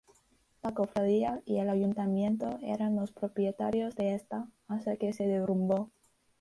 La cofradía y el ayuntamiento eran los propietarios de esta, hasta que se derrumbó.